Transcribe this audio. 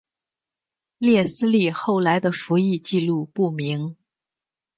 列斯利后来的服役纪录不明。